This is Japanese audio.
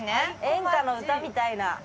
演歌の歌みたいな。